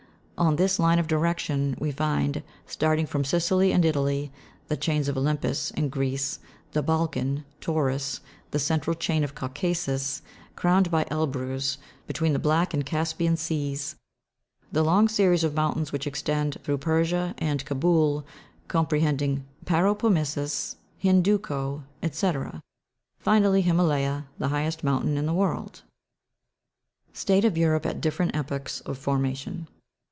On this line of direction we find, starting from Sicily and Italy, the chains of Olympus, in Greece, the Balkan, Taurus, the central chain of Caucasus, crowned by Elbrouz, between the Black and Caspian seas, the long series of mountains which extend through Persia and Cabool, comprehending Paropamisus, Hindou koh, &c. ; finally, Himalaya, the highest mountain in the world. STATE OF EUROPE AT DIFFERENT EPOCHS OF FORMATION.